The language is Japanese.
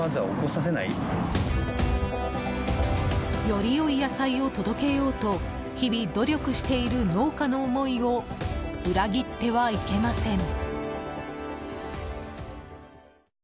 より良い野菜を届けようと日々努力している農家の思いを裏切ってはいけません。